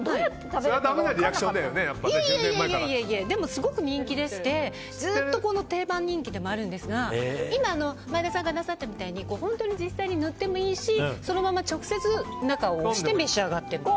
すごく人気でしてずっと定番人気でもあるんですが今、前田さんがなさったみたいに実際に塗ってもいいし中に押して召し上がっても。